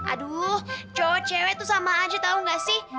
aduh cowok cewok tuh sama aja tau ga sih